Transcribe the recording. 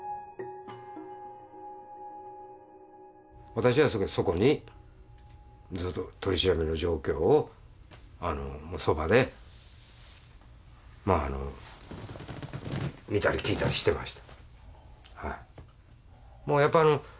私はそこにずっと取り調べの状況をそばでまあ見たり聞いたりしてました。